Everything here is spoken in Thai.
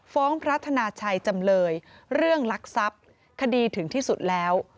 พระธนาชัยจำเลยเรื่องลักทรัพย์คดีถึงที่สุดแล้ว